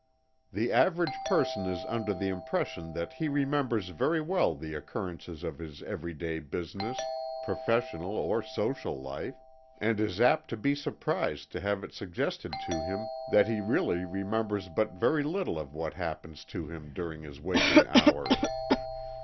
The average person is under the impression that he remembers very well the occurrences of his every day business, professional or social life, and is apt to be surprised to have it suggested to him that he really remembers but very little of what happens to him during his waking hours.